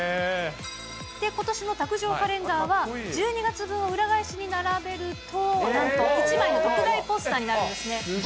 ことしの卓上カレンダーは、１２月分を裏返しに並べると、なんと１枚の特大ポスターになるんですね。